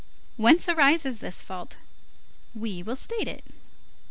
Whence arises this fault? We will state it.